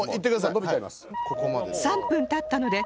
のびちゃいます。